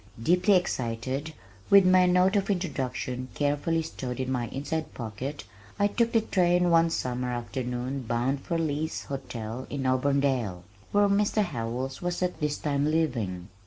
Deeply excited, with my note of introduction carefully stowed in my inside pocket, I took the train one summer afternoon bound for Lee's Hotel in Auburndale, where Mr. Howells was at this time living.